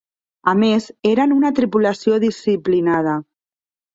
A més, eren una tripulació disciplinada.